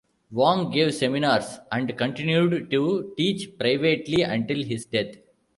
Wong gave seminars and continued to teach privately until his death.